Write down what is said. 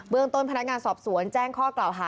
เมืองต้นพนักงานสอบสวนแจ้งข้อกล่าวหา